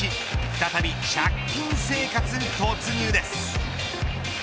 再び借金生活突入です。